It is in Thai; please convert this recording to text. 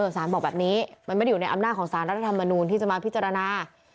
สารบอกแบบนี้มันไม่ได้อยู่ในอำนาจของสารรัฐธรรมนูลที่จะมาพิจารณา